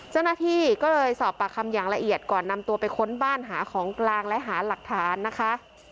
เจ้าหน้าที่ก็เลยสอบปากคำอย่างละเอียดก่อนนำตัวไปค้นบ้านหาของกลางและหาหลักฐานนะคะ